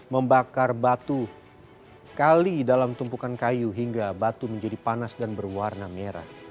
membakar batu kali dalam tumpukan kayu hingga batu menjadi panas dan berwarna merah